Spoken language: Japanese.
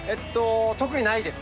特にないです。